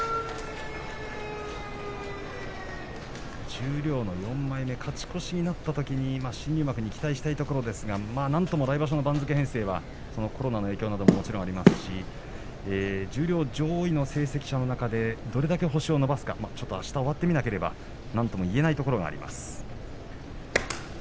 十両の４枚目勝ち越しになったときに新入幕に期待したいところですがなんといっても来場所の番付編成はコロナの影響などもありますし十両上位の成績の中でどれだけ星を伸ばすかあす終わってみなければなんとも言えないところがあります。